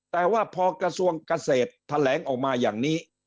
แต่ว่าพอกระทรวงเกษตรแถลงออกมาอย่างนี้